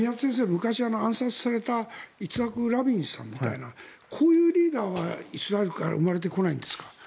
昔、暗殺されたラビンさんみたいなこういうリーダーはイスラエルから生まれてこないんですか？